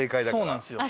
そうなんですよ。